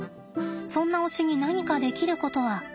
そんな推しに何かできることは。